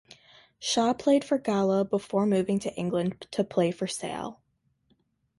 Shaw played for Gala before moving to England to play for Sale.